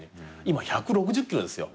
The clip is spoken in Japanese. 今１６０キロですよ。